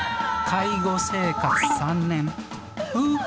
介護生活３年夫婦